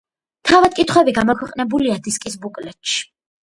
თავად კითხვები გამოქვეყნებულია დისკის ბუკლეტში.